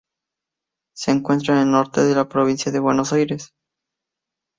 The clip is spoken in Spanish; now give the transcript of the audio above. Se encuentra en el norte de la Provincia de Buenos Aires.